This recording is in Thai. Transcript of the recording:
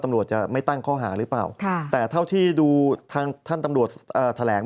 ตำรวจจะไม่ตั้งข้อหาหรือเปล่าแต่เท่าที่ดูทางท่านตำรวจแถลง